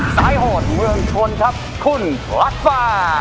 สายโหดเมืองชวนทัพคุณลักษมณ์